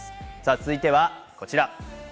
続いてこちら。